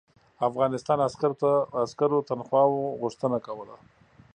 افغانستان عسکرو تنخواوو غوښتنه کوله.